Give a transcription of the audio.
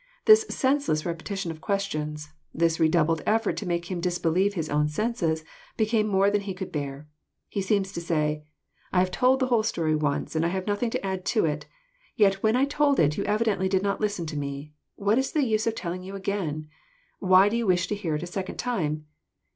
This senseless repetition of questions, this re doubled effort to make him disbelieve his own senses, became more than he could bear. He seems to say, '' I have told the whole story once, and I have nothing to add to it. Yet when I told it, you evidently did not listen to me. What is the use of telling it again ? Why do you want to hear it a second time